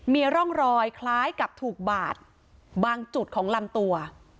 มีร่องรอยคล้ายกับถูกบาดบางจุดของลำตัว